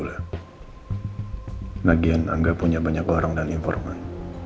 lagian angga punya banyak orang dan informal